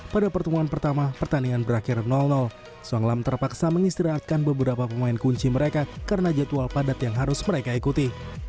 pada pertemuan pertama pertandingan berakhir song lam terpaksa mengistirahatkan beberapa pemain kunci mereka karena jadwal padat yang harus mereka ikuti